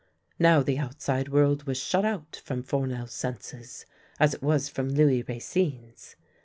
Now the outside world was shut out from Fournel's senses, as it was from Louis Racine's.